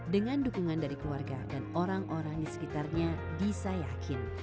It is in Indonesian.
dengan dukungan dari keluarga dan orang orang di sekitarnya disa yakin